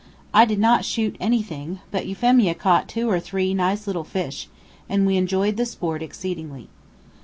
I did not shoot anything, but Euphemia caught two or three nice little fish, and we enjoyed the sport exceedingly.